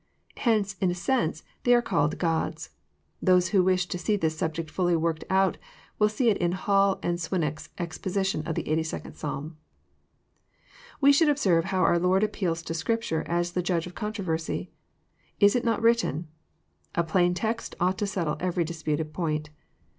Hence, in a sense, they are called gods." Those who wish to see this subject fully worked out, will see it In Hall and Swlnnock's Exposition of the 82d Psalm. We should observe how our Lord appeals to Scripture as the judge of controversy :" Is it not written?" A plain text ought to settle every disputed point.